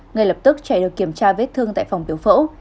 ngay lập tức trẻ được kiểm tra vết thương tại phòng tiểu phẫu